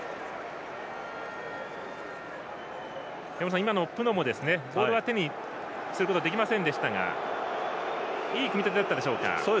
大野さん、今のプノもボールは手にすることできませんでしたがいい組み立てだったでしょうか。